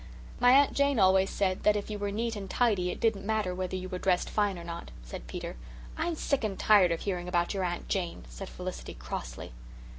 "My Aunt Jane always said that if you were neat and tidy it didn't matter whether you were dressed fine or not," said Peter. "I'm sick and tired of hearing about your Aunt Jane," said Felicity crossly.